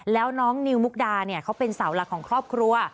แล้วน้องนิวมุกดาเนี่ยเขาเป็นเสาหลักของครอบครัว